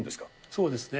そうですね。